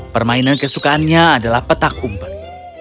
permainan kesukaannya adalah petak umpet